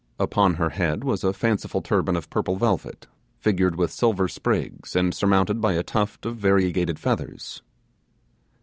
Upon her head was a fanciful turban of purple velvet, figured with silver sprigs, and surmounted by a tuft of variegated feathers.